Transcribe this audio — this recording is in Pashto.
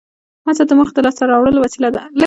هڅه د موخې د لاس ته راوړلو وسیله ده.